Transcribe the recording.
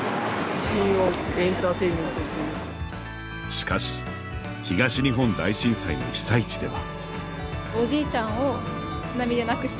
しかし東日本大震災の被災地では。